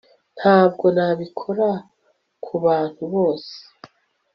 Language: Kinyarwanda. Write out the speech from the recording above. ntabwo nabikora kubantu bose